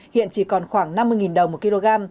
hiện chỉ còn khoảng năm mươi đồng một kg